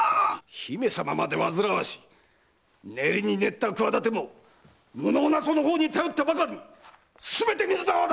姫様までわずらわし練りに練った企ても無能なその方に頼ったばかりにすべて水の泡だ！